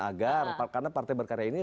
agar karena partai berkarya ini